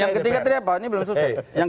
yang ketiga tadi apa ini belum selesai